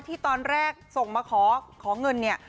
ที่ตอนแรกส่งมาขอเงินเนี่ย